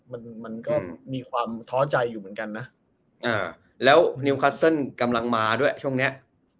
มันมันก็มีความท้อใจอยู่เหมือนกันนะอ่าแล้วนิวคัสเซิลกำลังมาด้วยช่วงเนี้ย